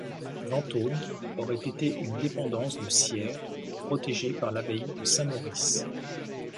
Venthône aurait été une dépendance de Sierre, protégée par l'abbaye de Saint-Maurice.